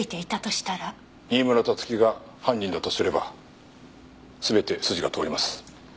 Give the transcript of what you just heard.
新村辰希が犯人だとすれば全て筋が通ります。